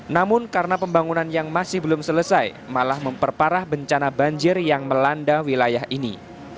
namun karena pembangunan yang masih belum selesai malah memperparah bencana banjir yang melanda wilayah ini